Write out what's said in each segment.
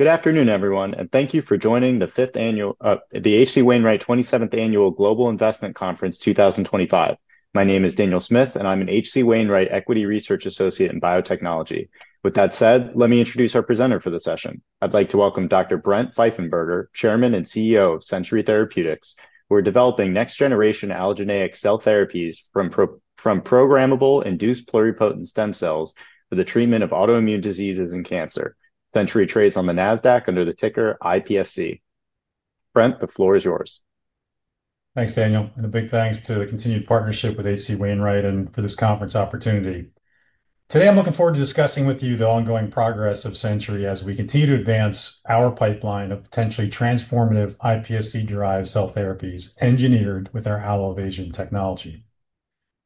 Good afternoon, everyone, and thank you for joining the fifth session of the H.C. Wainwright 27th Annual Global Investment Conference 2025. My name is Daniel Smith, and I'm an H.C. Wainwright Equity Research Associate in Biotechnology. With that said, let me introduce our presenter for the session. I'd like to welcome Dr. Brent Pfeiffenberger, Chairman and CEO of Century Therapeutics. We're developing next-generation allogeneic cell therapies from programmable induced pluripotent stem cells for the treatment of autoimmune diseases and cancer. Century trades on the NASDAQ under the ticker IPSC. Brent, the floor is yours. Thanks, Daniel, and a big thanks to the continued partnership with H.C. Wainwright and for this conference opportunity. Today, I'm looking forward to discussing with you the ongoing progress of Century Therapeutics as we continue to advance our pipeline of potentially transformative iPSC-derived cell therapies engineered with our Allo-Evasion™ technology.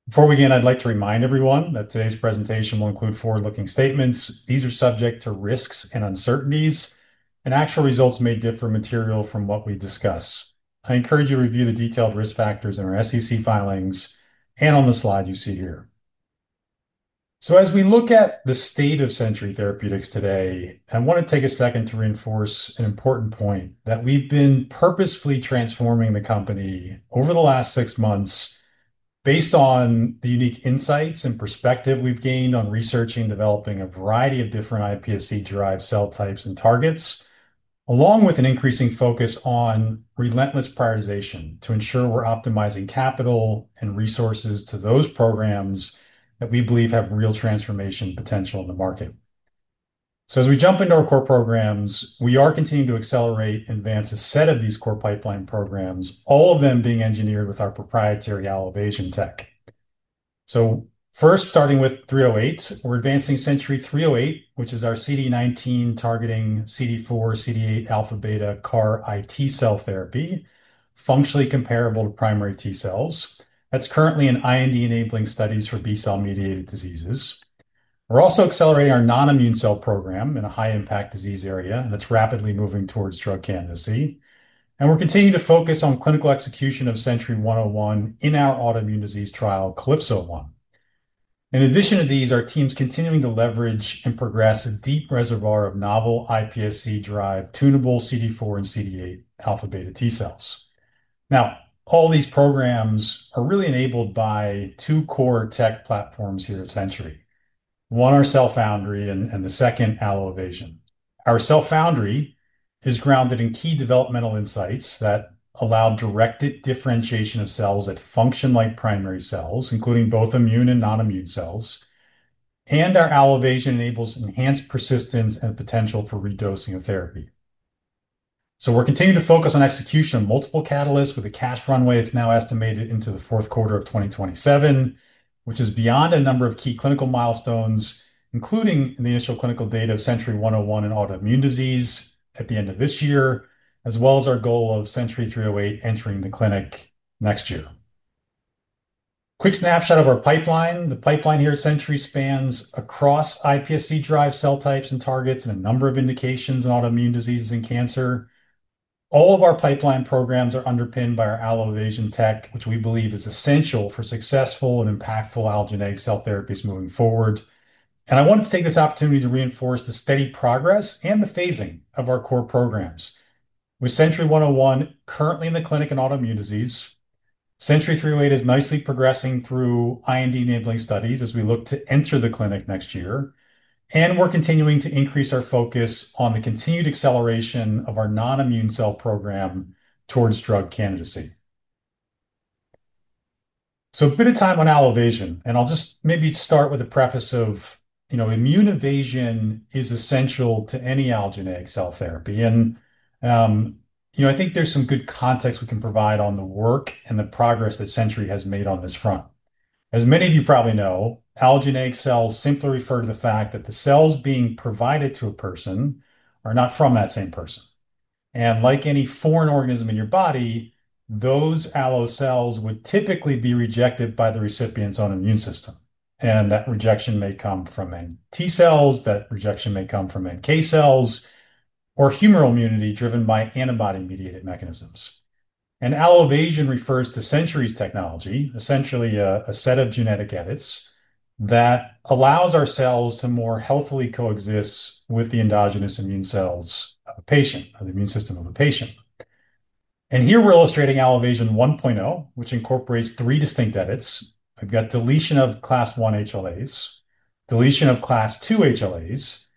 Before we begin, I'd like to remind everyone that today's presentation will include forward-looking statements. These are subject to risks and uncertainties, and actual results may differ materially from what we discuss. I encourage you to review the detailed risk factors in our SEC filings and on the slide you see here. As we look at the state of Century Therapeutics today, I want to take a second to reinforce an important point: that we've been purposefully transforming the company over the last six months based on the unique insights and perspective we've gained on researching and developing a variety of different iPSC-derived cell types and targets, along with an increasing focus on relentless prioritization to ensure we're optimizing capital and resources to those programs that we believe have real transformation potential in the market. As we jump into our core programs, we are continuing to accelerate and advance a set of these core pipeline programs, all of them being engineered with our proprietary Allo-Evasion™ tech. First, starting with 308, we're advancing Century 308, which is our CD19 targeting CD4/CD8 alpha-beta CAR T- cell therapy, functionally comparable to primary T cells. That's currently in IND-enabling studies for B-cell-mediated diseases. We're also accelerating our non-immune cell program in a high-impact disease area that's rapidly moving towards drug candidacy, and we're continuing to focus on clinical execution of Century 101 in our autoimmune disease trial Calypso 1. In addition to these, our team is continuing to leverage and progress a deep reservoir of novel iPSC-derived tunable CD4 and CD8 alpha-beta T cells. All these programs are really enabled by two core technology platforms here at Century Therapeutics, one our Cell Foundry and the second Allo-Evasion™. Our Cell Foundry is grounded in key developmental insights that allow directed differentiation of cells that function like primary cells, including both immune and non-immune cells, and our Allo-Evasion™ enables enhanced persistence and the potential for re-dosing of therapy. We're continuing to focus on execution of multiple catalysts with a cash runway that's now estimated into the fourth quarter of 2027, which is beyond a number of key clinical milestones, including the initial clinical data of Century 101 in autoimmune disease at the end of this year, as well as our goal of Century 308 entering the clinic next year. Quick snapshot of our pipeline. The pipeline here at Century Therapeutics spans across iPSC-derived cell types and targets and a number of indications in autoimmune diseases and cancer. All of our pipeline programs are underpinned by our Allo-Evasion™ tech, which we believe is essential for successful and impactful allogeneic cell therapies moving forward. I wanted to take this opportunity to reinforce the steady progress and the phasing of our core programs. With Century 101 currently in the clinic in autoimmune disease, Century 308 is nicely progressing through IND-enabling studies as we look to enter the clinic next year, and we're continuing to increase our focus on the continued acceleration of our non-immune cell program towards drug candidacy. A bit of time on Allo-Evasion™, and I'll just maybe start with a preface of, you know, immune evasion is essential to any allogeneic cell therapy. I think there's some good context we can provide on the work and the progress that Century Therapeutics has made on this front. As many of you probably know, allogeneic cells simply refer to the fact that the cells being provided to a person are not from that same person. Like any foreign organism in your body, those allogeneic cells would typically be rejected by the recipient's own immune system. That rejection may come from T cells, that rejection may come from NK cells, or humoral immunity driven by antibody-mediated mechanisms. Allo-Evasion™ refers to Century 's technology, essentially a set of genetic edits that allows our cells to more healthily coexist with the endogenous immune cells of the patient, or the immune system of the patient. Here we're illustrating Allo-Evasion™ 1.0, which incorporates three distinct edits. I've got deletion of class I HLA molecules, deletion of class II HLA molecules,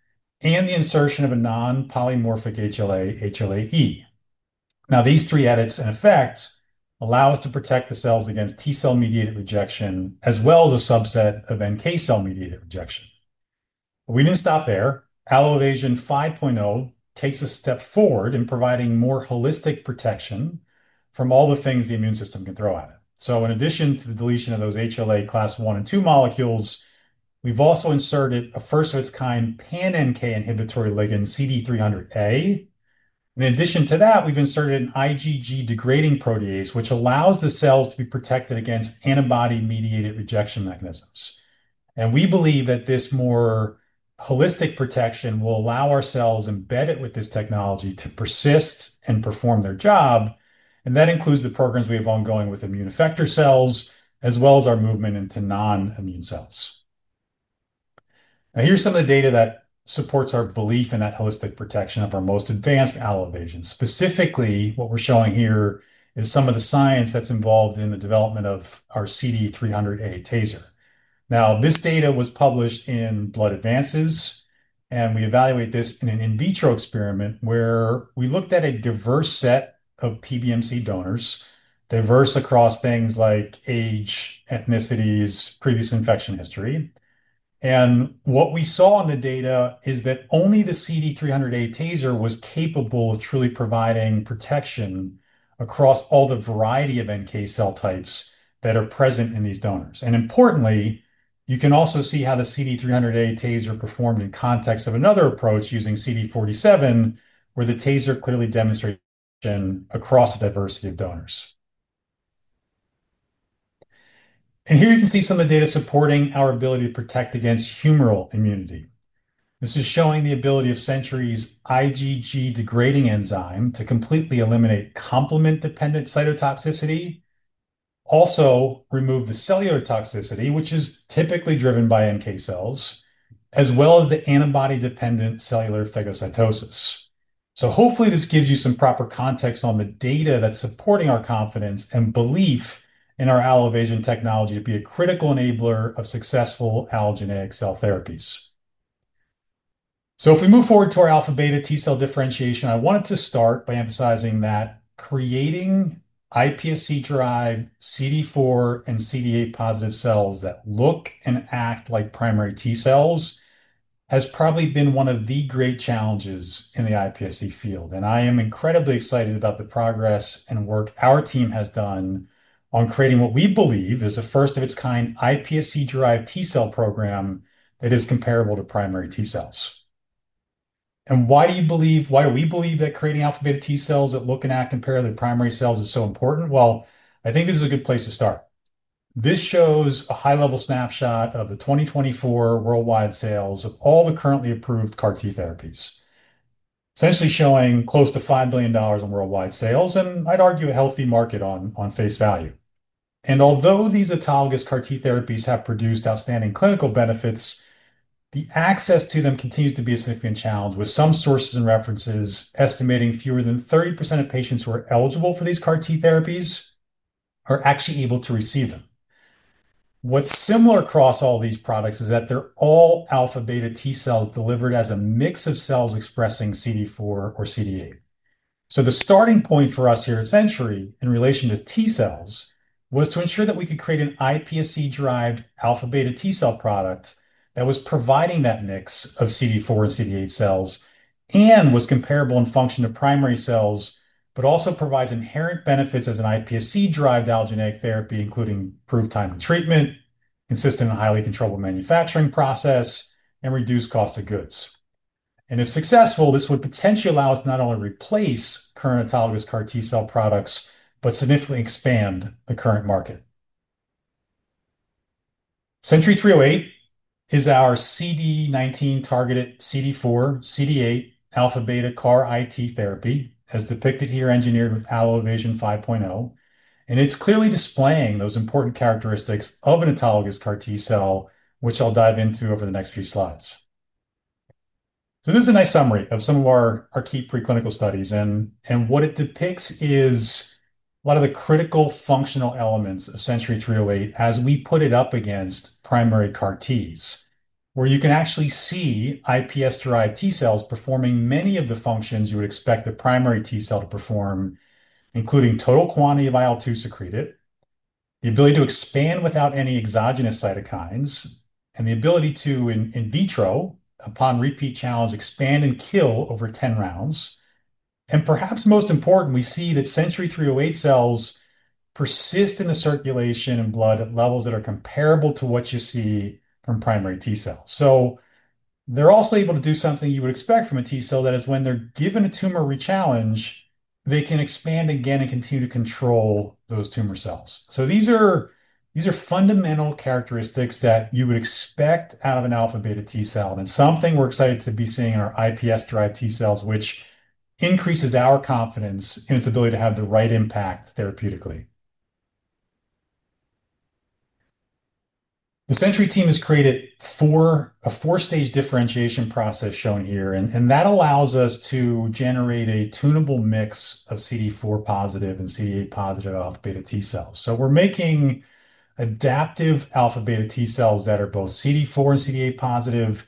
and the insertion of a non-polymorphic HLA, HLA-E. These three edits in effect allow us to protect the cells against T cell-mediated rejection, as well as a subset of NK cell-mediated rejection. We didn't stop there. Allo-Evasion™ 5.0 takes a step forward in providing more holistic protection from all the things the immune system can throw at it. In addition to the deletion of those HLA class I and II molecules, we've also inserted a first-of-its-kind pan-NK inhibitory ligand CD300a. In addition to that, we've inserted an IgG-degrading protease, which allows the cells to be protected against antibody-mediated rejection mechanisms. We believe that this more holistic protection will allow our cells embedded with this technology to persist and perform their job. That includes the programs we have ongoing with immune effector cells, as well as our movement into non-immune cells. Here's some of the data that supports our belief in that holistic protection of our most advanced Allo-Evasion™. Specifically, what we're showing here is some of the science that's involved in the development of our CD300a taser. This data was published in Blood Advances, and we evaluate this in an in vitro experiment where we looked at a diverse set of PBMC donors, diverse across things like age, ethnicities, and previous infection history. What we saw in the data is that only the CD300a taser was capable of truly providing protection across all the variety of NK cell types that are present in these donors. Importantly, you can also see how the CD300a taser performed in context of another approach using CD47, where the taser clearly demonstrated protection across a diversity of donors. Here you can see some of the data supporting our ability to protect against humoral immunity. This is showing the ability of Century 's IgG-degrading enzyme to completely eliminate complement-dependent cytotoxicity, also remove the cellular toxicity, which is typically driven by NK cells, as well as the antibody-dependent cellular phagocytosis. Hopefully, this gives you some proper context on the data that's supporting our confidence and belief in our Allo-Evasion™ technology to be a critical enabler of successful allogeneic cell therapies. If we move forward to our alpha-beta T cell differentiation, I wanted to start by emphasizing that creating iPSC-derived CD4 and CD8 positive cells that look and act like primary T cells has probably been one of the great challenges in the iPSC field. I am incredibly excited about the progress and work our team has done on creating what we believe is a first-of-its-kind iPSC-derived T cell program that is comparable to primary T cells. Why do you believe, why do we believe that creating alpha-beta T cells that look and act compared to the primary cells is so important? I think this is a good place to start. This shows a high-level snapshot of the 2024 worldwide sales of all the currently approved CAR T therapies, essentially showing close to $5 billion in worldwide sales, and I'd argue a healthy market on face value. Although these autologous CAR T therapies have produced outstanding clinical benefits, the access to them continues to be a significant challenge, with some sources and references estimating fewer than 30% of patients who are eligible for these CAR T therapies are actually able to receive them. What's similar across all these products is that they're all alpha-beta T cells delivered as a mix of cells expressing CD4 or CD8. The starting point for us here at Century in relation to T cells was to ensure that we could create an iPSC-derived alpha-beta T cell product that was providing that mix of CD4 and CD8 cells and was comparable in function to primary cells, but also provides inherent benefits as an iPSC-derived allogeneic therapy, including improved time of treatment, consistent and highly controllable manufacturing process, and reduced cost of goods. If successful, this would potentially allow us to not only replace current autologous CAR T cell products, but significantly expand the current market. Century 308 is our CD19 targeted CD4/CD8 alpha-beta CARiT therapy, as depicted here, engineered with AlloVision 5.0. It's clearly displaying those important characteristics of an autologous CAR T cell, which I'll dive into over the next few slides. This is a nice summary of some of our key preclinical studies, and what it depicts is a lot of the critical functional elements of Century 308 as we put it up against primary CAR Ts, where you can actually see iPSC-derived T cells performing many of the functions you would expect a primary T cell to perform, including total quantity of IL-2 secreted, the ability to expand without any exogenous cytokines, and the ability to, in vitro, upon repeat challenge, expand and kill over 10 rounds. Perhaps most important, we see that Century 308 cells persist in the circulation and blood at levels that are comparable to what you see from primary T cells. They're also able to do something you would expect from a T cell, that is, when they're given a tumor re-challenge, they can expand again and continue to control those tumor cells. These are fundamental characteristics that you would expect out of an alpha-beta T cell. It's something we're excited to be seeing in our iPSC-derived T cells, which increases our confidence in its ability to have the right impact therapeutically. The Century team has created a four-stage differentiation process shown here, and that allows us to generate a tunable mix of CD4 positive and CD8 positive alpha-beta T cells. We're making adaptive alpha-beta T cells that are both CD4 and CD8 positive,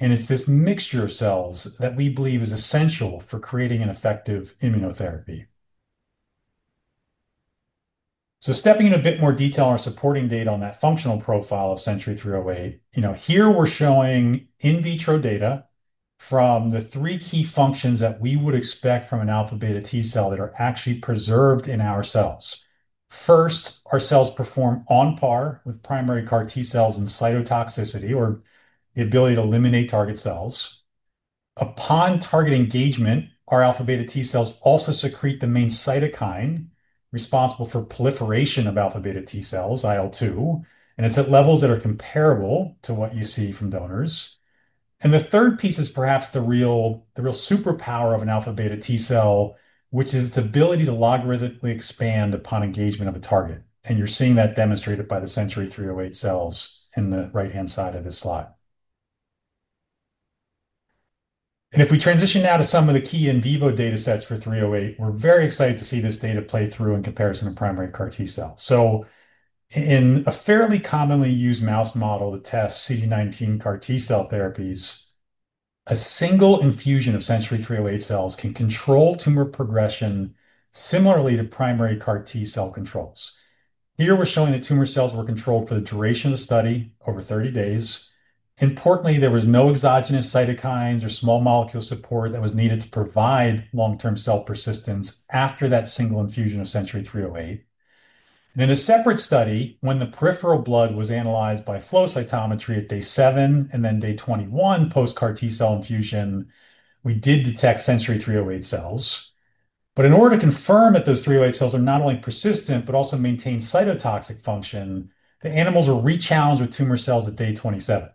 and it's this mixture of cells that we believe is essential for creating an effective immunotherapy. Stepping into a bit more detail on our supporting data on that functional profile of Century 308, here we're showing in vitro data from the three key functions that we would expect from an alpha-beta T cell that are actually preserved in our cells. First, our cells perform on par with primary CAR T cells in cytotoxicity or the ability to eliminate target cells. Upon target engagement, our alpha-beta T cells also secrete the main cytokine responsible for proliferation of alpha-beta T cells, IL-2, and it's at levels that are comparable to what you see from donors. The third piece is perhaps the real superpower of an alpha-beta T cell, which is its ability to logarithmically expand upon engagement of a target. You're seeing that demonstrated by the Century 308 cells in the right-hand side of this slide. If we transition now to some of the key in vivo datasets for 308, we're very excited to see this data play through in comparison to primary CAR T cells. In a fairly commonly used mouse model to test CD19 CAR T cell therapies, a single infusion of Century 308 cells can control tumor progression similarly to primary CAR T cell controls. Here, we're showing that tumor cells were controlled for the duration of the study, over 30 days. Importantly, there were no exogenous cytokines or small molecule support that was needed to provide long-term cell persistence after that single infusion of Century 308. In a separate study, when the peripheral blood was analyzed by flow cytometry at day 7 and then day 21 post-CAR T cell infusion, we did detect Century 308 cells. In order to confirm that those Century 308 cells are not only persistent but also maintain cytotoxic function, the animals were re-challenged with tumor cells at day 27.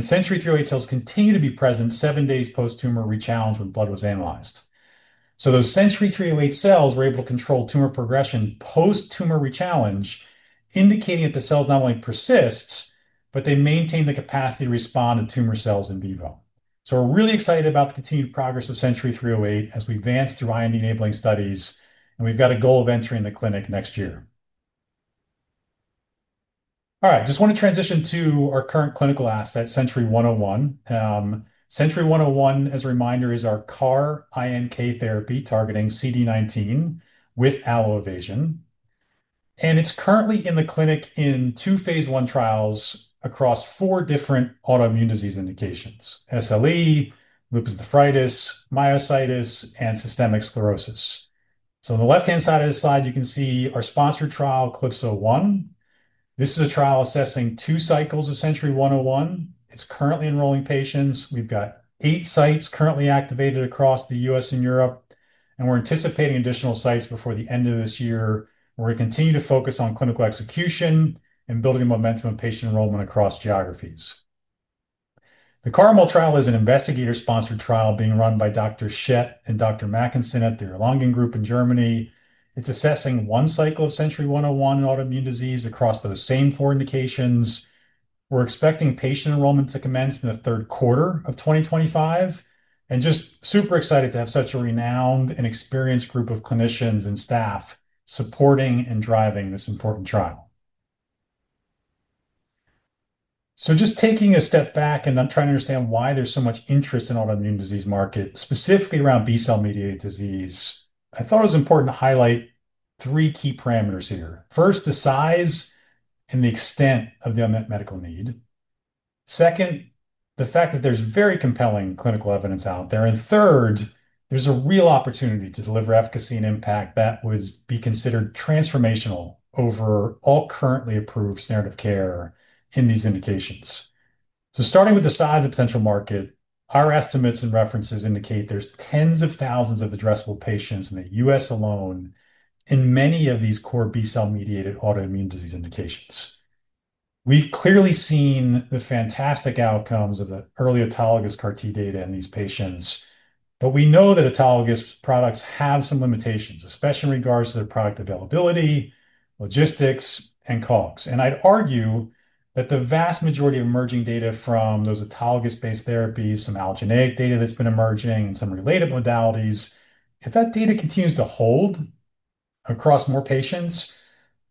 Century 308 cells continue to be present seven days post-tumor re-challenge when blood was analyzed. Those Century 308 cells were able to control tumor progression post-tumor re-challenge, indicating that the cells not only persist, but they maintain the capacity to respond to tumor cells in vivo. We're really excited about the continued progress of Century 308 as we advance through IND-enabling studies, and we've got a goal of entering the clinic next year. I just want to transition to our current clinical asset, Century 101. Century 101, as a reminder, is our CAR INK therapy targeting CD19 with AlloVision. It's currently in the clinic in two Phase I trials across four different autoimmune disease indications: SLE, lupus nephritis, myositis, and systemic sclerosis. On the left-hand side of the slide, you can see our sponsored trial, Calypso 1. This is a trial assessing two cycles of Century 101. It's currently enrolling patients. We've got eight sites currently activated across the U.S. and Europe, and we're anticipating additional sites before the end of this year. We're going to continue to focus on clinical execution and building momentum in patient enrollment across geographies. The CARMEL trial is an investigator-sponsored trial being run by Dr. Schett and Dr. Mackensen at the Erlangen Group in Germany. It's assessing one cycle of Century 101 in autoimmune disease across those same four indications. We're expecting patient enrollment to commence in the third quarter of 2025. I'm just super excited to have such a renowned and experienced group of clinicians and staff supporting and driving this important trial. Taking a step back and trying to understand why there's so much interest in the autoimmune disease market, specifically around B-cell-mediated disease, I thought it was important to highlight three key parameters here. First, the size and the extent of the unmet medical need. Second, the fact that there's very compelling clinical evidence out there. Third, there's a real opportunity to deliver efficacy and impact that would be considered transformational over all currently approved standard of care in these indications. Starting with the size of the potential market, our estimates and references indicate there's tens of thousands of addressable patients in the U.S. alone in many of these core B-cell-mediated autoimmune disease indications. We've clearly seen the fantastic outcomes of the early autologous CAR T data in these patients, but we know that autologous products have some limitations, especially in regards to the product availability, logistics, and costs. I'd argue that the vast majority of emerging data from those autologous-based therapies, some allogeneic data that's been emerging, and some related modalities, if that data continues to hold across more patients,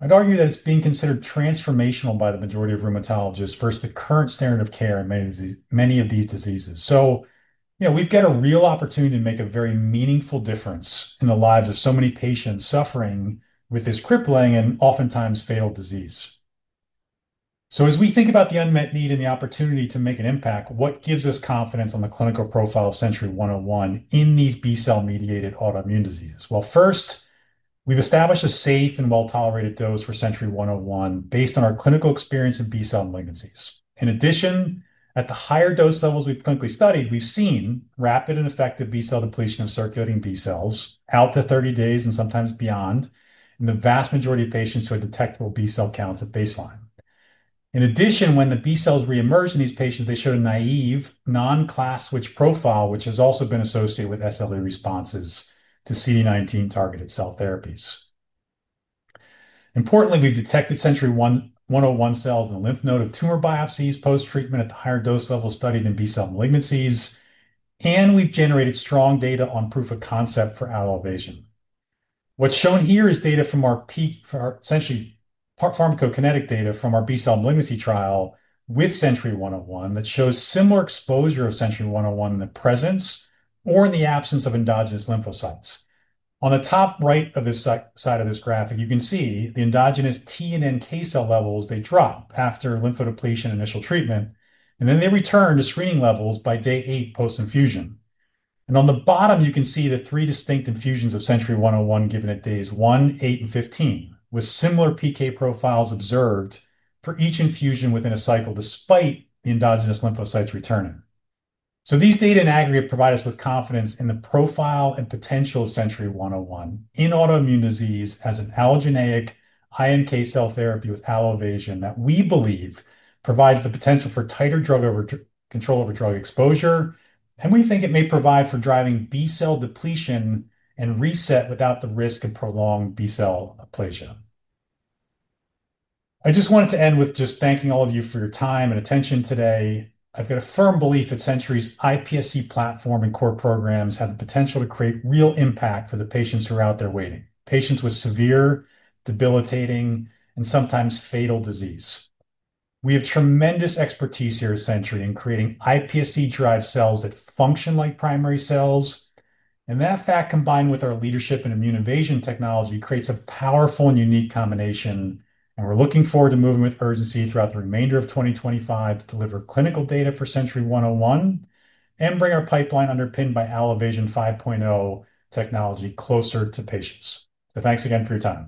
it's being considered transformational by the majority of rheumatologists versus the current standard of care in many of these diseases. We've got a real opportunity to make a very meaningful difference in the lives of so many patients suffering with this crippling and oftentimes failed disease. As we think about the unmet need and the opportunity to make an impact, what gives us confidence on the clinical profile of Century 101 in these B-cell-mediated autoimmune diseases? First, we've established a safe and well-tolerated dose for Century 101 based on our clinical experience in B-cell malignancies. In addition, at the higher dose levels we've clinically studied, we've seen rapid and effective B-cell depletion of circulating B cells out to 30 days and sometimes beyond in the vast majority of patients who had detectable B-cell counts at baseline. In addition, when the B cells re-emerged in these patients, they showed a naive non-class switch profile, which has also been associated with SLE responses to CD19-targeted cell therapies. Importantly, we've detected Century 101 cells in the lymph node of tumor biopsies post-treatment at the higher dose levels studied in B-cell malignancies, and we've generated strong data on proof of concept for AlloVision. What's shown here is data from our peak, essentially park pharmacokinetic data from our B-cell malignancy trial with Century 101 that shows similar exposure of Century 101 in the presence or in the absence of endogenous lymphocytes. On the top right of this side of this graphic, you can see the endogenous T and NK cell levels, they drop after lymphodepletion initial treatment, and then they return to screening levels by day eight post-infusion. On the bottom, you can see the three distinct infusions of Century 101 given at days 1, 8, and 15, with similar PK profiles observed for each infusion within a cycle, despite the endogenous lymphocytes returning. These data in aggregate provide us with confidence in the profile and potential of Century 101 in autoimmune disease as an allogeneic INK cell therapy with AlloVision that we believe provides the potential for tighter drug control over drug exposure, and we think it may provide for driving B-cell depletion and reset without the risk of prolonged B-cell aplasia. I just wanted to end with thanking all of you for your time and attention today. I've got a firm belief that Century's iPSC platform and core programs have the potential to create real impact for the patients who are out there waiting, patients with severe, debilitating, and sometimes fatal disease. We have tremendous expertise here at Century in creating iPSC-derived cells that function like primary cells, and that fact, combined with our leadership in immune evasion technology, creates a powerful and unique combination. We're looking forward to moving with urgency throughout the remainder of 2025 to deliver clinical data for Century 101 and bring our pipeline underpinned by AlloVision 5.0 technology closer to patients. Thanks again for your time.